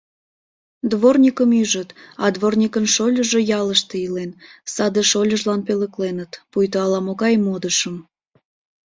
Дворникым ӱжыт, а дворникын шольыжо ялыште илен, саде шольыжлан пӧлекленыт, пуйто ала-могай модышым.